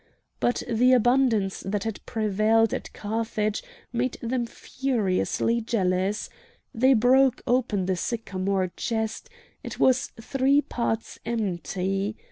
But the abundance that had prevailed at Carthage made them furiously jealous. They broke open the sycamore chest; it was three parts empty.